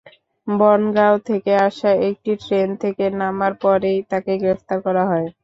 বনগাঁও থেকে আসা একটি ট্রেন থেকে নামার পরেই তাকে গ্রেপ্তার করা হয়।